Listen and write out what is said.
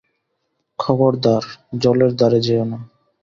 খবরদার, জলের ধারে যেয়ো না।